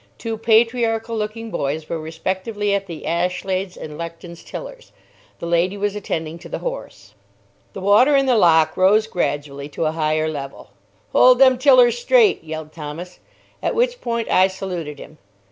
Two patriarchal looking boys were respectively at the Ashlade's and Lechton's tillers. The lady was attending to the horse. The water in the lock rose gradually to a higher level. "Hold them tillers straight!" yelled Thomas. At which point I saluted him.